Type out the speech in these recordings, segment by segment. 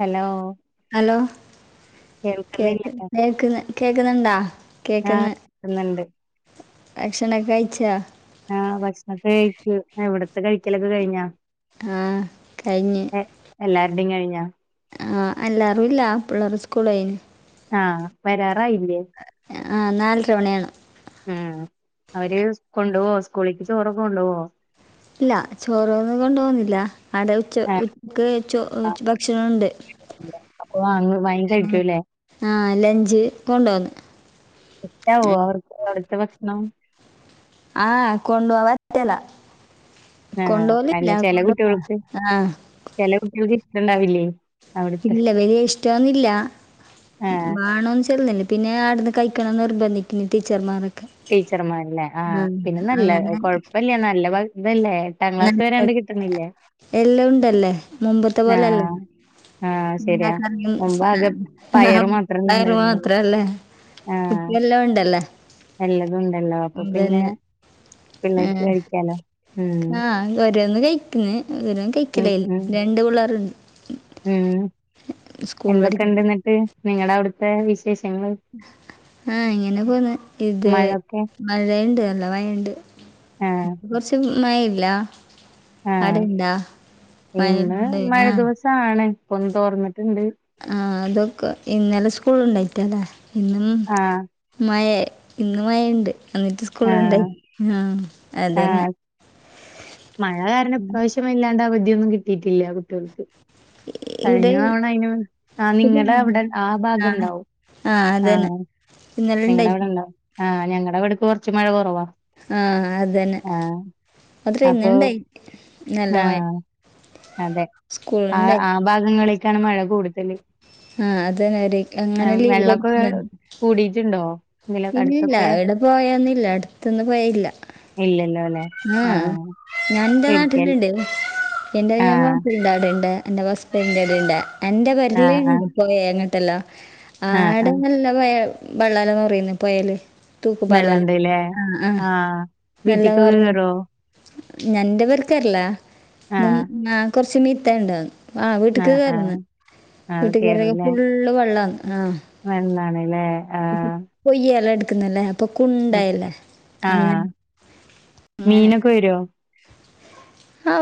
Hello hello കേൾക്കുന്നില്ലേ കേക്ക് കേക്കുന്ന കേക്കുന്നുണ്ടാ ആഹ് കേക്കന്ന് കേൾക്കുന്നുണ്ട് അക്ഷനൊക്കെ കഴിച്ചാ ആഹ് ഭക്ഷണൊക്കെ കഴിക്കു ഇവിടത്തെ കഴിക്കലൊക്കെ കഴിഞ്ഞാ ആഹ് കഴിഞ്ഞ് എല്ലാര്ടെ കഴിഞ്ഞാ ആഹ് എല്ല രുല്ല പിള്ളേർ സ്കൂളയിന് ആഹ് വരാറായില്ലേ ആ നാല് തവണയാണ് ഉം അവര് കൊണ്ടു പോവാ സ്കൂളിക്ക് ചോറൊക്കെ കൊണ്ടു പോവോ ഇല്ല ചോറൊ ഒന്നും കൊണ്ടൊവുനില്ല അടെ ഉച്ച ആഹ് ഉച്ചക്ക് ചോ ഭക്ഷണണ്ട് അപ്പൊ അങ്ങ് ഭയ കഴിക്കൂല്ലേ ആഹ് ലഞ്ച് കൊണ്ടൊന്ന് ന്നാവൊ അവർക്ക് അവിടുത്തെ ഭക്ഷണം ആഹ് കൊണ്ട പോ വറ്റല ആഹ് അല്ല കൊണ്ടപോലില്ല ചെല കൊണ്ട പോവാ കുട്ടികൾക്ക് ആ ചെല കുട്ടികൾക്ക് ഇഷ്ടുണ്ടാവില്ലേ ഇല്ല വലിയ ഇഷ്ടന്നില്ല ആഹ് വാണോന്ന് ചൊന്നന്നെ പിന്നെ ആവിടുന്ന് കഴിക്കണം എന്ന് നിർബന്ധിക്കുന്ന ടീച്ചർ ടീച്ചർമാർക്കെ ടീച്ചർമാര്ല്ലേ ആഹ് പിന്നെ നല്ല കൊഴപ്പല്ലേ നല്ല ഇതല്ലേ എട്ടാം ക്ലാസ് ന വരെണ്ട് കിട്ടുന്നില്ലേ എല്ലാം ഉണ്ടല്ലേ മുമ്പത്തെ പോലെ എല്ലാം ആഹ് ആഹ് ശരിയാ മുമ്പ് ആകെ പയറ് [unintelligible] മാത്രല്ലേ ഉണ്ടായിരുന്നത് മാത്രല്ലേ ഇട്ടിയെല്ലാം ഉണ്ടല്ലേ നല്ലത്ണ്ടല്ലോ അപ്പൊ പിന്നെ അതന്നെ പിള്ളേർക്ക് ആഹ് കഴിക്കാലോ ഉ ആഹ് ഒരോന്ന് കഴിക്കന്ന് ഒരോന്നും ഉം കഴിക്കലേ ഉം രണ്ട് പിള്ളേരുണ്ട് ഉം സ്കൂൾ എന്തൊക്കെ പഠിക്കുന്ന ഇണ്ടെന്നിട്ട് നിങ്ങളുടെ അവിടുത്തെ വിശേഷങ്ങള് ആ ഇങ്ങനെ പോന്ന് ഇത് മഴൊക്കെ മഴണ്ട് നല്ല മഴണ്ട് ആഹ് ഇന്ന് കൊറച്ച് മഴല്ല ആഹ് അടെന്താ മയണ്ടന ആണ് ഇപ്പൊ തോർന്നിട്ടുണ്ട് ആ അതൊക്കെ ഇന്നലെ സ്കൂള ഉണ്ടായിറ്റല്ലേ ഇന്നും ആഹ് മയ ഇന്ന് മയുണ്ട് എന്നിട്ട് ആഹ് സ്കൂളുണ്ടായി ആ അതെന്നെ ആഹ് ഉം മാണ്ട [unintelligible] കിട്ടയിട്ടില്ല കുട്ടികൾക്ക് ഇവിടെ കഴിഞ്ഞ തവണ അയിന് ആ നിങ്ങളടെ അവിടെ ആ ഭാഗംണ്ടാവും ആഹ് അതന്നെ ഇന്നലെ നിങ്ങളടെ ഉണ്ടായി അവിടെണ്ടോ ആഹ് ഞങ്ങളടെ വവിടക്ക് കുറച്ച് മഴ കൊറവാ ആഹ് അത്ന്നെ അത്ര അപ്പൊ ഇന്നണ്ടായി നല്ല മഴ ആഹ് അതെ ആ സ്കൂൾണ്ടായി ആ ഭാഗങ്ങളേക്കാണ് മഴ കൂടുതല് ആ അതന്നെരീക് അങ്ങനെ ലീവ് കൊടുത്തതാ കുടീറ്റ്ണ്ടോ ഇല്ലില്ല ഈടെ പോഴൊന്നില്ല. അടുത്തൊന്നും പൊഴയില്ല ഇല്ലല്ലോ അല്ലെ ആ ആഹ് ഞാൻ ൻെറ പേടിക്കൽ നാട്ടില്ണ്ട് എന്റെ ഞാൻ ആഹ് മാപ്പിളൻ്റാടെണ്ട്. എന്റെ ഹസ്ബൻ്റിൻ്റെവിടെ ണ്ട് എന്റെ പെര്ല് ആഹ് ആഹ് പോയാല്ണ്ടല്ലോ ആ ആഹ് ആഹ് ഏടെങ്കിൽ ല്ല ബള്ളല്ലോ പിന്നെ പൊഴേല് തൂക്ക്പാലല്ല വെള്ളണ്ട്ല്ലേ ആ ആ ആഹ് നല്ല വീട്ടിക്കൊക്കെ കൊറഞ്ഞു കേറോ ഞാൻ ന്റെ പേർക്കർള മും ആഹ് കൊർച്ച് മിത്തേണ്ട് ആ വീട്ട്ക്ക് ആഹ് കേറ്ന്ന്. ആഹ് അത് വീട്ട്ക്ക് [unintelligible] ഫുള്ള് വെള്ളാന്ന് ആ വെള്ളാണ്ലേ ആ കൊയ്യ എല്ലാം എടുക്കുന്നല്ലേ അപ്പൊ ഉം.. കുണ്ടായല്ലേ ആ അങ്ങനെ. മീനൊക്കെ വരോ? ആ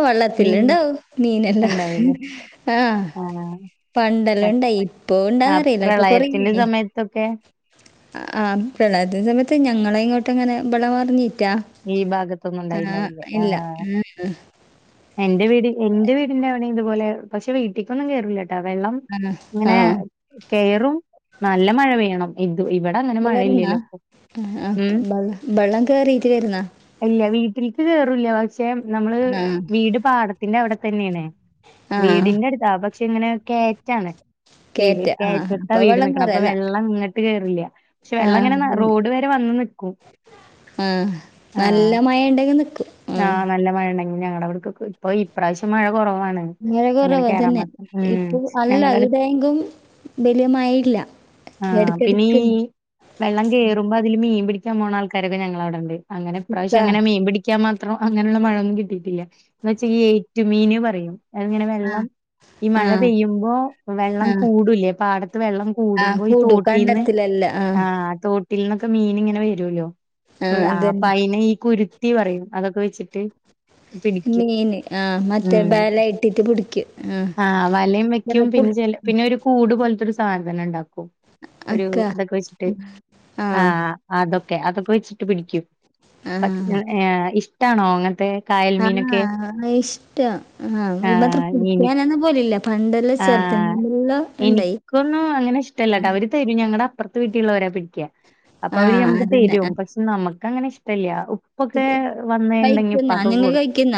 മീൻ വള്ളത്തിലുണ്ടാവും മീനെല്ലാം ഉണ്ടാവൂലേ ആ ആഹ് പണ്ടെല്ലാം ഇണ്ടായി. ഇപ്പ ആ ഇണ്ടാന്നറിയില്ല ഇപ്പൊ കൊറേ പ്രളയത്തിന്റെ സമയത്തൊക്കെ [unintelligible] ആ പ്രളയത്തിന് സമയത്ത് ഞങ്ങളെ ഇങ്ങോട്ട് അങ്ങനെ ബളമർഞ്ഞീറ്റാ ഈ ഭാഗത്തൊന്നും ആ ഉണ്ടായിണ്ടാവില്ല ആ ഇല്ല ആ അ് എന്റെ വീട് എന്റെ വീടിന്റെ അവിടെ ഇതുപോലെ, പക്ഷെ വീട്ടിക്കൊന്നും കേറില്ലട്ടോ വെള്ളം ആഹ് അങ്ങനെ ആഹ് കേറും. നല്ല മഴ പെയ്യണം ഇത് ഇവടെ അങ്ങനെ കേറുന്നാ? മഴയില്ലല്ലോ പ്പൊ ആ ഉം ബള ബള്ളം കേറീട്ടില്ലായിരുന്നു ഇല്യ. വീട്ടിൽക്ക് കേറൂല്ല. പക്ഷെ നമ്മള് ആഹ് വീട് പാടത്തിന്റെ അവടെ തന്നേണേയ് ആഹ് വീടിന്റെടുത്താ പക്ഷെ ഇങ്ങനെ കേറ്റാണ് വീട് കേറ്റ ആഹ് കെയറ്റത്താ അപ്പൊ വീട് വെള്ളം നിക്കണ്. അപ്പൊ കേറല്ല. വെള്ളം ഇങ്ങട്ട് ട്ട് കേറില്യ. പക്ഷെ വെള്ളം ങ്ങനെ ന റോഡ് വരെ വന്ന് നിക്കും ആ ആ നല്ല മഴേണ്ടെങ്കിൽ നിക്കും ഉം.. ആഹ് നല്ല മഴ ണെ ഞങ്ങടവിടക്കൊക്കെ ഇപ്പൊ ഇപ്രാവശ്യം മഴ കൊറവാണ് മഴ അങ്ങനെ കേറാൻ കുറവ്തന്നെ. മാത്രം ഉം ഇപ്പൊ അല്ല ഞങ്ങടെ അടു ഇവിടെയെങ്കും വല്യ മഴയില്ല ആ പിന്നീ എടക്കെടക്ക്ണ്ട്. വെള്ളം കേറുമ്പോ അതില് മീൻ പിടിക്കാൻ പോണ ആൾക്കാരൊക്കെ ഞങ്ങടവിടെണ്ട്. അങ്ങനെ ഇപ്രാവശ്യം അങ്ങനെ മീൻ പിടി- ക്കാൻ മാത്രം അങ്ങനെയുള്ള മഴന്നും കിട്ടിട്ടില്ല. എന്ന് വെച്ചാ ഏറ്റുമീന് പറയും അങ്ങനെ വെള്ളം ഈ മഴ പെയ്യുമ്പോ വെള്ളം കൂടൂലേ, പാടത്ത് വെള്ളം കൂടുമ്പോ ഈ തോട്ടീന്ന് ആ തോട്ടിൽന്നൊക്കെ മീനിങ്ങനെ വരൂലോ ആ അപ്പയ്നി ഈ കുരുത്തി പറയും, അതൊക്കെ വെച്ചിട്ട് പിടിക്കും. മീന് ആ മറ്റേ ഉം.. ബല ഇട്ടിട്ട് പിടിക്കും ആ വലയും വെക്കും ചെറുപ്പുൾ പിന്നെ ചെല പിന്നൊരു കൂട് പോൽത്തൊരു സാധനം ണ്ടാക്കും ഒ ഒരു അക്ക തൊക്കെ വെച്ചിട്ട് ആ അതൊക്കെ അതൊക്കെ വെച്ചിട്ട് പിടിക്കും. ആ പക്ഷെ ഏ ഇഷ്ടാണോ അങ്ങൻത്തെ ആ ഇഷ്ടാ.. ഇ മാത്ര പിടിക്കാൻ ഒന്നും പോവലില്ല ആ എനിക്കൊന്നും അങ്ങനെ ഇഷ്ടല്ലട്ടവര് തരും ഞങ്ങളുടെ അപ്പുറത്ത് വീട്ടിലുള്ളവരാ പിടിക്കുക അപ്പൊ ആ അവര് നമുക്ക് അതന്നെ തരും അത് പക്ഷേ നമുക്ക് അങ്ങനെ ഇഷ്ടല്യ. ഉപ്പൊക്കെ വന്നിണ്ടെങ്കി കഴിക്കുന്ന ഉപ്പാക്കൊക്കെ നിങ്ങൾ കൊടുക്കും കഴിക്കുന്ന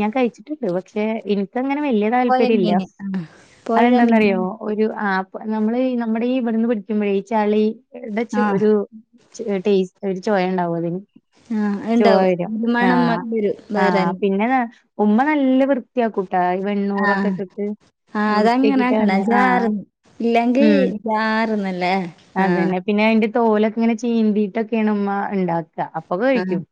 ഞാൻ കഴിച്ചിട്ടുണ്ട്. പക്ഷെ ഇൻക്കങ്ങനെ വല്യ പോയ താല്പര്യല്ല. മീന് പുഴ മീൻ അതെന്താന്നറിയോ ഒരു ആ പ്പൊ നമ്മള് നമ്മുടെ ഈ ഇവിടുന്ന് പിടിക്കുമ്പോഴേ ഈ ചളി- ആ ടെചൊരു ചൊ ടേസ്റ്റ് ഒരു ചൊയ ഉണ്ടാവും അതിന് ആ ഉണ്ടാവും [unintelligible] ഒരു ആ മണം വരും ആ വേറെ പിന്നെന്നാ ഉമ്മ നല്ല വൃത്തിയാ കൂട്ടാ ഈ ആ വെണ്ണൂറൊക്കെ ഇട്ടിട്ട് ആഹ് അതങ്ങനെ ആക്കലാ വൃത്തിയാക്കിട്ടാണ് ജാറ് ആഹ് ഇല്ലെങ്കി ഉം ജാറന്നല്ലേ ആഹ് അതന്നെ പിന്നെ അതിന്റെ തോലൊക്കെ ഇങ്ങനെ ചീന്തിട്ടൊക്കെയാണ് ഉമ്മ ഉണ്ടാക്കുക അപ്പൊ ആഹ് കഴിക്കും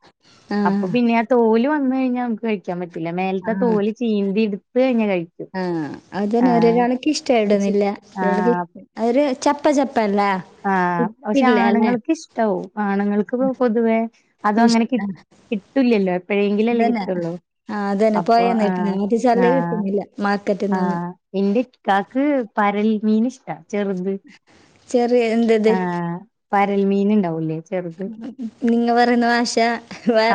അപ്പൊ ആഹ് പിന്നെ ആ തോല് വന്ന് കഴിഞ്ഞാൽ നമുക്ക് കഴി ക്കാൻ പറ്റില്ല മേലത്തെ ആഹ് തോല് ചീന്തി എടുത്ത് ഇങ് കഴിക്കും ആഹ് ആഹ് എണക്കി ആഹ് അര് ചപ്പ ചപ്പല്ലേ ആഹ് പക്ഷെ ഇല്ല അല്ലേ? ആണുങ്ങൾക്ക് ഇഷ്ടാവും ആണുങ്ങൾക്ക് പൊതുവേ അതും അങ്ങനെ കി ഇഷ്ടം കിട്ടുല്ലല്ലോ എപ്പോഴെങ്കിലും അല്ലേ അതന്നെ കിട്ടുള്ളൂ അപ്പൊ ആഹ് ചെല്ല ആഹ് കിട്ടുന്നില്ല മാർക്കറ്റിൽ നിന്ന് ആഹ് എന്റെ ഇക്കാക്ക് പരൽ മീൻ ഇഷ്ടാ ചെറുത് ചെറിയ എന്തത് ആഹ് പരൽ മീൻ ഉണ്ടാവുല്ലേ നിങ്ങ പറയുന്ന ആശാ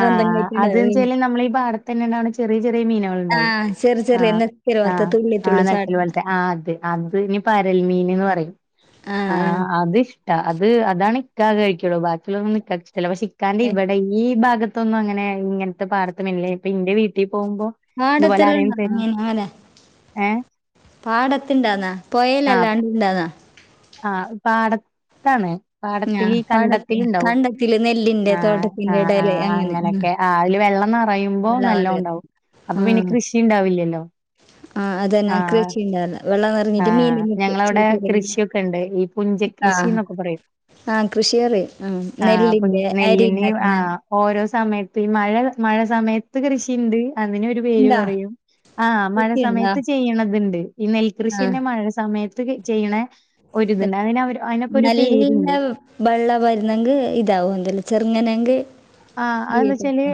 ആഹ് അതുചെല് നമ്മൾ ഈ പാടത്ത് തന്നെ ഉണ്ടാവുന്ന ചെറിയ ചെറിയ മീനകൾ ഉണ്ടാവും ആഹ് ചെറിയ ചെറിയ ആഹ് നെക്കല് പോലത്തെ ആഹ് തുള്ളി ആഹ് തുള്ളി നടക്കല ചാടുന്ന വൾത്തെ ആഹ് അതെ അത് ഇനി പരൽമീൻ എന്ന് പറയും ആഹ് ആ ആഹ് അതി അത് അതാണ് ഇക്ക കഴിക്കുള്ളൂ ബാക്കി ഒള്ളത് ഒന്നും ഇക്കാക്ക് ഇഷ്ടല്ല പക്ഷെ ഇക്കാന്റെ ഏഹ് ഇവിടെ ഈ ഭാ അകത്തൊന്നും അങ്ങനെ ഇങ്ങനത്തെ പാടത്ത് മെല്ലേ ഇപ്പൊ ഇന്റെ വീട്ടിൽ പോകുമ്പോ ഇതുപോലെ മാടത്തെല്ല ആരേലും ഉണ്ടോ തരും [unintelligible] മീനെ ഏഹ് പാടത്തിണ്ടാന്നാ ആഹ് പുയലല്ലാണ്ടിണ്ടന്നാ ആഹ് പാടത്താണ് ആ പാടത്തില് ഈ പാടത്ത് കണ്ടത്തിലുണ്ടാവും കണ്ടത്തില് നെല്ലിന്റെ ആഹ് തോട്ടത്തിന്റെ ആഹ് ഇടയില് ആഹ് അങ്ങനെ ആ അങ്ങനെയൊക്കെ ആഹ് അതില് വെള്ളം നറയുമ്പോ വെള്ളം നല്ല നിറയെ ഉണ്ടാവും അപ്പൊ പിന്നെ കൃഷി ഉണ്ടാവില്ലല്ലോ ആഹ് അതന്നെ കൃഷിണ്ടാവില്ല വെള്ളം നിറഞ്ഞിട്ട് ആഹ് മീൻ ഞങ്ങളവിടെ കൃഷിയൊക്കെ ഇണ്ട് ഈ പുഞ്ച [unintelligible] ആഹ് കൃഷിന്നൊക്കെ പറയും ആഹ് കൃഷിയറി ആഹ് കുഞ്ഞ് നെല്ലിന്റെ അരി നെല്ലിന് ഉണ്ടാക്കുന്ന ആഹ് ഓരോ സമയത്ത് ഈ മഴ മഴ സമയത്ത് കൃഷിയുണ്ട് അതിനൊരു പേര് ഉണ്ടോ പറയും ആഹ് മഴ കൃഷിയുണ്ടോ സമയത്ത് ചെയ്യണതുണ്ട് ഈ നെൽകൃഷി ആ തന്നെ മഴ സമയത്ത് ചെയ്യണ ഒര് ഇതുണ്ട് അതിനവർ അതിനൊക്കെ ഒരു പേരുണ്ട് വെള്ള വരുന്നെങ്കിൽ ഇതാവും എന്തല ചെറുങ്ങനെങ്ക ആ അതെന്ന് വെച്ചാല്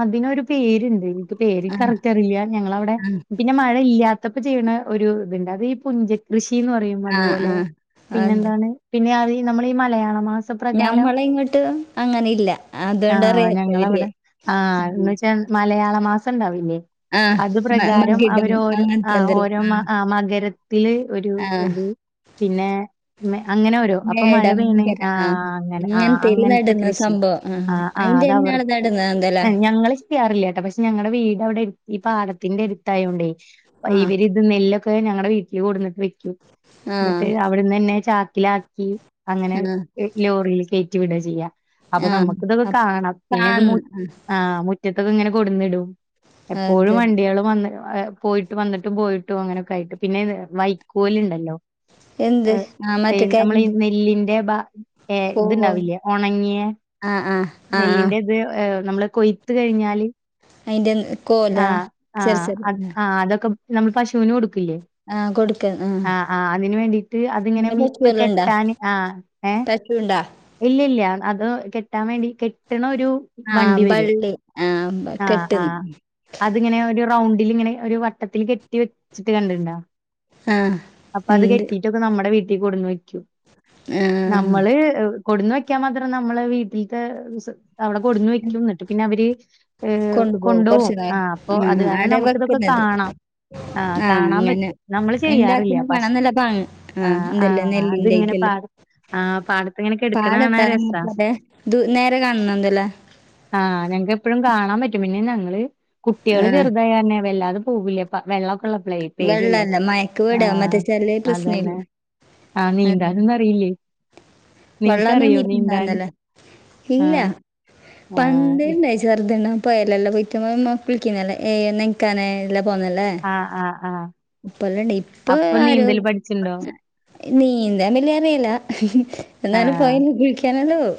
അതിനൊരു പേരുണ്ട് പേര് ആ കറക്ക്റ്റ് അറിയില്ല ഞങ്ങളവിടെ ആ പിന്നെ മഴ ഇല്ല്യാ ഇത്തപ്പ ചെയ്യണ ഒരു ഇതുണ്ട് അത് ഈ പുഞ്ചകൃഷിന്ന് പറയും ആ അതുപോലെ ആ അത് പിന്നെന്താണ് പിന്നെ അതി നമ്മൾ ഈ മലയാള മാസം ഞമ്മള ഇങ്ങോട്ട് അങ്ങനെ ഇല്ല അതുകൊണ്ട് ആഹ് അറിയാത്ത ഞങ്ങളവടെ ആഹ് വലിയ എന്ന് വെച്ചാ മലയാള മാസം ഉണ്ടാവില്ലേ അത് പ്രകാരം മകിടം അവര് ഓരോ അ അങ്ങനത്തെന്തേലും ഓരോ ആ മ മകരത്തില് ഒരു ആ ഇത് പിന്നെ അങ്ങനെ ഓരോ അപ്പൊ മഴ മേടം പെയുന്ന മകര ആ ആഹ് അങ്ങനെ ആഹ് അങ്ങനത്തേല് അങ്ങനത്തെ നടുന്ന കൃഷി സംഭവം ആ ആഹ് ആഹ് അയിന്റെ അത് ഇന്നാള് അവർക്ക് നടുന്നതെന്തല്ലാ ഞങ്ങള കാറില്ല കേട്ടോ പക്ഷെ ഞങ്ങടെ വീട് അവിടെ ഈ പാലത്തിന്റെ അടുത്തായോണ്ടേ ആ ഇവര് ഇത് നെല്ലൊക്കെ ഞങ്ങടെ വീട്ടിൽ കൂടുന്നട്ട് വെക്കും ആ എന്നിട്ട് അവിടുന്ന് തന്നെ ചാക്കിലാക്കി അങ്ങനെ ആ ലോറിയിൽ കയറ്റി വിട ചെയ്യാ ആഹ് ഇപ്പോ കാണാം പിന്നെ ഇത് മു ആഹ് ആഹ് മുറ്റത്തൊക്കെ ഇങ്ങനെ കൊടന്നിടും എപ്പോഴും അത് വണ്ടികൾ വന്ന് പോയിട്ട് വന്നിട്ടും പോയിട്ടും, അങ്ങനെയൊക്കെ ആയിട്ട് പിന്നെ വൈക്കോലുണ്ടല്ലോ. എന്ത് ആ ഏ മറ്റേ നമ്മളി കരിമ്പ് നെല്ലിന്റെ ബ ഏ ഇതുണ്ടാവില്ല ഉണങ്ങിയ ആഹ് ആഹ് നെല്ലിന്റെ ഇത് നമ്മൾ കൊയ്ത്ത് കഴിഞ്ഞാല് അയിന്റെ കോലാ ആഹ് ചെറ് ചെറ് ആഹ് ആ ആഹ് അതൊക്കെ നമ്മൾ പശുവിന് കൊടുക്കില്ലേ ആ കൊടുക്ക ആ ആഹ് ആഹ് അതിന് വേണ്ടിട്ട് അതിങ്ങനെ പിന്നെ ഇപ്പ പശുവെല്ലാം ഉണ്ടാ കെട്ടാൻ ആഹ് ഏഹ് [unintelligible] ഇല്ല ഇല്ല അത് കെട്ടാൻ വേണ്ടി കെട്ടണ ഒരു, ആഹാ വണ്ടി വരും ബള്ളി ആഹാ ആഹ് കെട്ട്. ആഹ് അതിങ്ങനെ ഒരു റൗണ്ടിൽിങ്ങനെ ഒരു വട്ടത്തിൽ കെട്ടി വെച്ചിട്ട് കണ്ടിട്ട്ണ്ടാ? ആ അപ്പൊ അത് ഉണ്ട് കെട്ടിട്ടൊക്കെ നമ്മുടെ വീട്ടിൽ കൊടുന്ന് വെക്കും ആ നമ്മള് കൊടുന്ന് വെക്കാൻ മാത്രേ നമ്മളെ വീട്ടിലത്തെ അവിടെ കൊടിന്നു വെക്കുംന്നിട്ട് പിന്നെ അവര് കൊണ്ടുപോകും കൊണ്ടോകും കുറച്ചു ആ നേരം അപ്പൊ അത് കാരണം ആടെ നമുക്ക് ക്കെ വെക്കുന്നത് കാണാം. ആഹാ ആ കാണാൻ അങ്ങനെ പറ്റും, നമ്മള് ചെയ്യാറില്ല ഉണ്ടാക്കുന്ന പക്ഷെ കാണാൻ നല്ല പാങ് ആ ആഹാ എന്തല്ല ആഹാ നെല്ലിന്റെ അതിങ്ങനെ പാടത്ത്, ആ് പടത്ത്ത്തെങ്ങനെ കെട് ആടത്താേ [unintelligible] നേരെ കാണുന്നുണ്ട്. ആഹ് ഞങ്ങക്ക് എപ്പഴും കാണാൻ പറ്റും പിന്നെ ഞങ്ങള് കുട്ടികള് ആ ചെറുതായാര് നെ വല്ലാതെ പോകൂല്ല വെള്ളക്കള്ളപ്പോളെ, പേടില്ലേ വെള്ളല്ല മയക്ക് വീടാ ആഹാ മറ്റേ ചെറിയ അതന്നെ. പ്രശ്നമില്ല ആഹ് അതെ നീന്താനൊന്നും അറിയില്ലേ? വെള്ളം നിനക്കറിയോ നീന്താൻ നിന്നിട്ടിണ്ടന്നല്ലേ. ഇല്ല ആഹ് ആഹ് ഇപ് [unintelligible] [inaudible] ആഹാ ആഹാ ആഹാ... ! ഇപ്പല്ലണ്ട് ഇപ്പോ ആരും. പഠിച്ചിണ്ടോ നീന്താൻ ലിയ അറിയില്ല എന്നാലും ആഹ് പോയീൽ കുളിക്കാനല്ലോവും.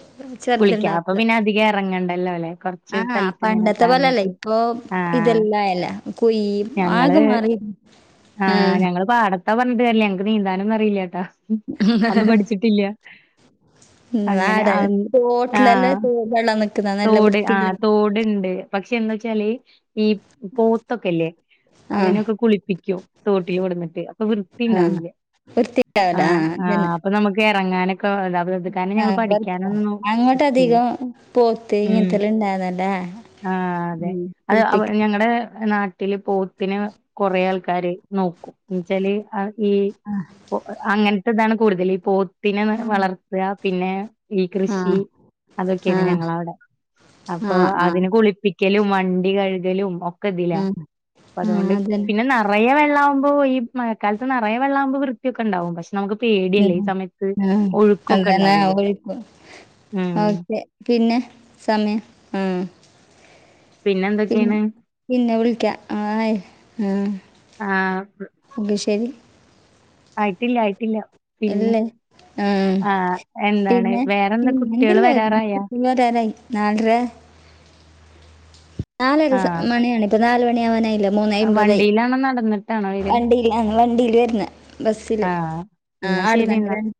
കുളിക്കാൻ അപ്പൊ ചെറുതണ്ടാവല് പിന്നെ [unintelligible] അധികം എറങ്ങണ്ടല്ലോ ല്ലെ കൊറച്ച് ആഹാ സ്ഥലത്ത് ഇങ്ങനെ പണ്ടത്തെ നടന്നിട്ട് പോലല്ലേയ്. ആഹ് [unintelligible] ഞങ്ങള് ആകെ മാറി ആ ആഹ് ഞങ്ങള്ൾ പാടത്താ പറഞ്ഞിട്ട് കാര്യല്യ ഞങ്ങക്ക് നീന്താനൊന്നും അറിയില്ലേട്ടാ. അന്നു പഠിച്ചിട്ടില്ല അങ്ങനെ നാടൻ ആഹ് [unintelligible] തോട് ആ വൃത്തിയുള്ള തോടുണ്ട് പക്ഷെ എന്താ വച്ചാല് ഈ പോത്തൊക്കെല്ലേ? ആ അതിനൊക്കെ കുളിപ്പിക്കും തോട്ടിൽ കൊടുന്നിട്ട്. അപ്പോ വൃത്തി ആ ഉണ്ടാവില്ല. വൃത്തിയാവൂല. ആ ആഹാ ആഹാ അതന്നെ. അപ്പോ നമുക്ക് ഇറങ്ങനോക്കെ, [unintelligible] കാരണം ആ ഞങ്ങൾ വെറുപ്പാ. പഠിക്കാനൊന്നും വിശ്വസിക്കില്ലേ അങ്ങോട്ടധികം പോത്ത്. ഉം ഇങ്ങനത്തെല്ലാം ഇണ്ടാവുന്നല്ല. ആ തെ ഉം അത് ആ കുളിപ്പിക്കും. ഞങ്ങടെ നാട്ടില് പോത്തിനെ കൊറെേ ആൾക്കാര് നോക്കും എന്ന്ച്ചാല് ഈ ഒ അങ്ങനത്തെ ഇതാണ് കൂടുതൽ ഈ പോത്തിനെ ആ വളർത്ത പിന്നെ ഈ ആ കൃഷി ആ അതൊക്കെയാണ് ഞങ്ങളവിടെ ആ അപ്പൊ ആ അതിനെ കുളിപ്പിക്കലും മൺ വണ്ടി കഴുക്കലും ഓക്കേ ഇതിലാ. ആ അതന്നെ. നിറയ വെള്ള ആകുമ്പോ ഈ മക്കാലത്ത് നിറയ വെള്ളാകുമ്പോ വൃത്തിയൊക്കെ ഉണ്ടാവും ക്ഷെ നമുക്ക് പേടി ഉണ്ടാവില്ലേ ഉം [unintelligible] പിന്നെ സമയം ആഹ... ! പിന്നെ എന്തൊക്കെണ്? പിന്നെ വിളിക്കാ ആഹാ ആഹാ... ! ആഹാ.. ! ഓക്കേ ശരി. ആയിട്ടില്ല ആയിട്ടില്ല പിന്നെ? ആഹാ ആഹ് എന്താണ് പിന്നെ വേറെന്താ കുട്ട്യേള് പിന്നെന്താല്ല, വരാറായാ? കുട്ടിവിരരായി. നാലര നാലര സ ആഹ് മണിയാണ് ഇപ്പ നാല് മണിവാനായില്ലോ. മൂന്നെ അയിമ്പതായി വണ്ടിയിലാണോ നടന്നിട്ടാണോ വരാ? വണ്ടില്, വണ്ടില് വരുന്ന ബസില്. ആഹ് ആ എന്നാ ആടു ശരി നന്ന എന്നാ. രണ്ട്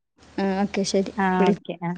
ആ ഓക്കെ ശരി ആഹ് വിളി ഓക്കെ ആഹ്.